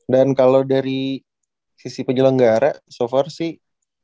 dan kalau dari sisi penjelanggara so far sih